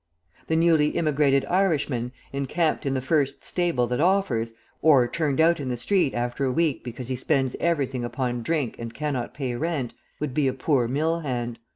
The newly immigrated Irishman, encamped in the first stable that offers, or turned out in the street after a week because he spends everything upon drink and cannot pay rent, would be a poor mill hand.